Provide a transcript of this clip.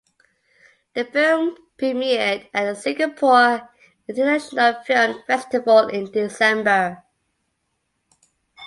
The film premiered at the Singapore International Film Festival in December.